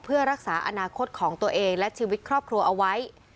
เพื่อรักษาอนาคตของตัวเองและชีวิตครอบครัวเอาไว้